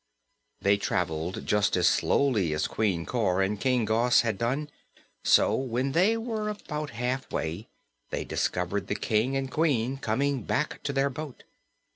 They traveled just as slowly as Queen Cor and King Gos had done, so when they were about halfway they discovered the King and Queen coming back to their boat.